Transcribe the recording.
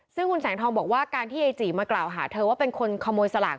ซึ่งคุณแสงทองบอกว่าการที่ยายจีมากล่าวหาเธอว่าเป็นคนขโมยสลาก